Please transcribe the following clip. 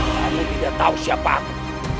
kamu tidak tahu siapa aku